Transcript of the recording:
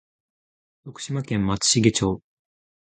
徳島県松茂町